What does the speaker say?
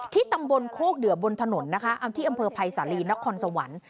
ที่ตำบลโคกเดือบบนถนนที่อำเภอไพรสาหรีนักคลสวรรค์